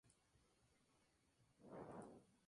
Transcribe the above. Estos permisos fueron otorgados al año siguiente.